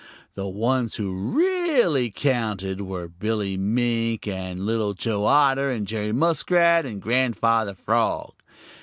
The ones who really counted were Billy Mink and Little Joe Otter and Jerry Muskrat and Grandfather Frog.